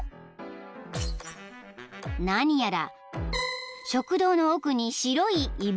［何やら食道の奥に白い異物］